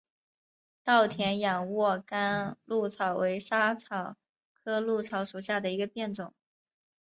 稻田仰卧秆藨草为莎草科藨草属下的一个变种。